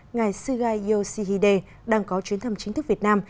ngài suga yoshihide đang có chuyến thăm chính thức việt nam